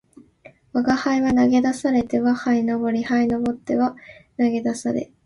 吾輩は投げ出されては這い上り、這い上っては投げ出され、何でも同じ事を四五遍繰り返したのを記憶している